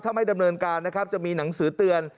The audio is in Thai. ถ้าไม่ดำเนินการนะครับจะมีหนังสือเตือน